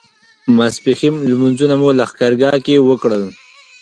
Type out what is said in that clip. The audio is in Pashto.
ماسپښین لمونځونه مو لښکرګاه کې وکړل.